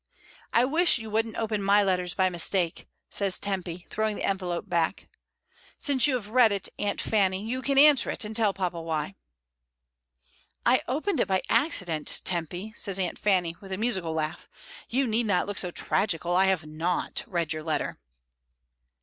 "I wish you wouldn't open my letters by mis take," says Tempy, throwing the envelope back. "Since you have read it, Aunt Fanny, you can an swer it and tell papa why." "I opened it by accident, Tempy," says Aunt Fanny, with a musical laugh; "you need not look so tragical. I have not read your letter."